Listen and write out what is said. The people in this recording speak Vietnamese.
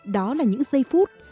đó là những giây phút